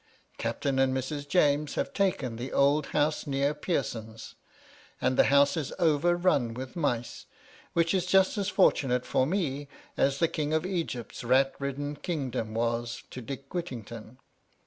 Captain and Mrs. ' James have taken the old house next Pearson's ; and *the house is overrun with mice, which is just as * fortunate for me as the King of Egypt's rat ridden 'kingdom was to Dick Whittington.